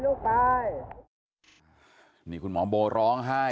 สวัสดีครับคุณผู้ชาย